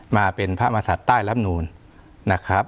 มาเป็นพระมศัตริย์ใต้รับนูลนะครับ